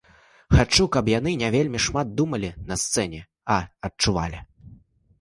Я хачу, каб яны не вельмі шмат думалі на сцэне, а адчувалі.